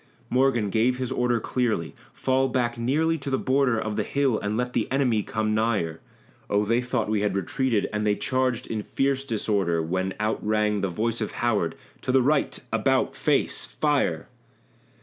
Morgan gave his order clearly "Fall back nearly to the border Of the hill and let the enemy come nigher!" Oh! they thought we had retreated, and they charged in fierce disorder, When out rang the voice of Howard "To the right about, face! Fire!"